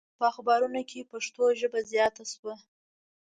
په اخبارونو کې پښتو ژبه زیاته شوه.